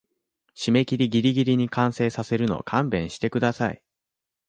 締切ギリギリに完成させるの勘弁してください